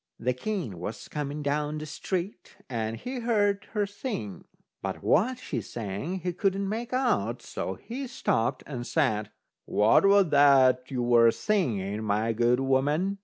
The king was coming down the street, and he heard her sing, but what she sang he couldn't make out, so he stopped and said: "What was that you were singing, my good woman?"